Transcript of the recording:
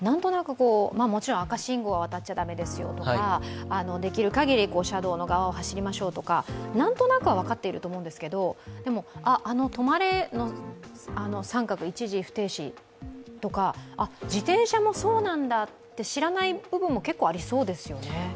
もちろん赤信号は渡っちゃだめですよとか、できるかぎり車道の側を走りましょうとかなんとなくは分かっていると思うんですけど、あの止まれの△、一時不停止とか、自転車もそうなんだって、知らない部分も結構ありそうですよね。